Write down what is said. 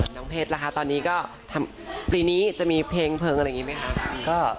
เพชรล่ะคะตอนนี้ก็ปีนี้จะมีเพลงเพลิงอะไรอย่างนี้ไหมคะ